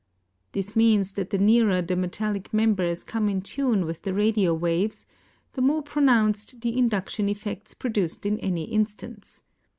This means that the nearer the metallic members come in tune with the radio waves, the more pronounced the induction effects produced in any instance.